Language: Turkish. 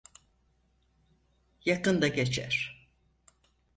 Yakında geçer.